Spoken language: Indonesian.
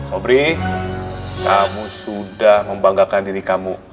obri kamu sudah membanggakan diri kamu